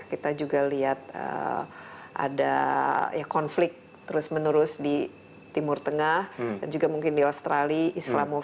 kita juga lihat ada konflik terus menerus di timur tengah dan juga mungkin di australia islamop